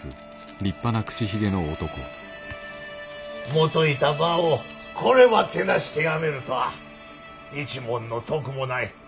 元いた場をこればぁけなして辞めるとは一文の得もない。